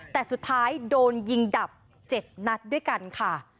แต่สุดท้ายโดนยิงดับ๗นัดด้วยกันค่ะ